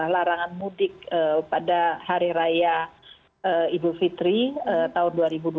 larangan mudik pada hari raya idul fitri tahun dua ribu dua puluh